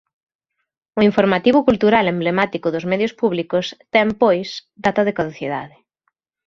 O informativo cultural emblemático dos medios públicos ten pois data de caducidade.